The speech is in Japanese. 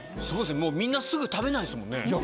みんなすぐ食べないですもんね。